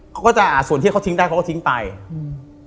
เขาก็จะอ่าส่วนที่เขาทิ้งได้เขาก็ทิ้งไปอืม